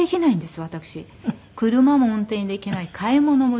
車も運転できない買い物もできない。